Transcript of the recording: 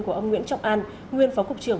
của ông nguyễn trọng an nguyên phó cục trưởng